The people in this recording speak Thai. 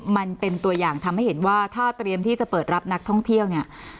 มันเป็นตัวอย่างทำให้เห็นว่าถ้าเตรียมที่จะเปิดรับนักท่องเที่ยวเนี่ย